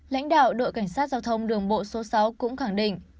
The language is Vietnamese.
lãnh đạo đội cảnh sát giao thông đường bộ số sáu cũng khẳng định